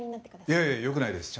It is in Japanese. いやいやよくないです。